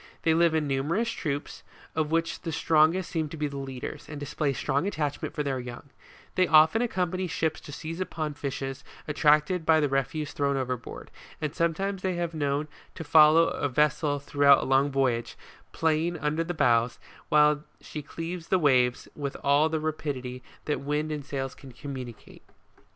They live in numerous troops, of which the strongest seem to be the leaders, and display strong attachment for their young; they often ac company ships to seize upon fishes attracted by the refuse thrown overboard, and sometimes they have been known to follow a ves sel throughout a long voyage, playing under the bows, while she cleaves the waves with all the rapidity that wind and sails can communicate.